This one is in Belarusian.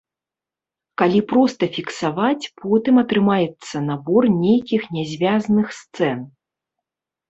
Калі проста фіксаваць, потым атрымаецца набор нейкіх нязвязных сцэн.